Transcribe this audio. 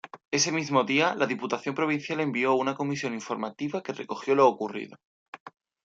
Ese mismo día, la Diputación Provincial envió una comisión informativa que recogió lo ocurrido.